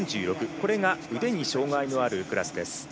これが腕に障がいのあるクラスです。